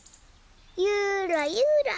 ゆらゆら。